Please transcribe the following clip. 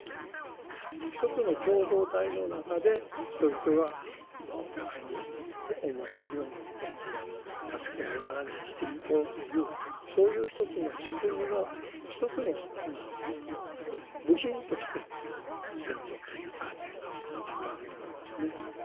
一つの共同体の中で人々がお互いに思いやりを持って助け合いながら生きていこうというそういう一つの仕組みの一つの部品として「先祖」という観念があったんだと思いますね。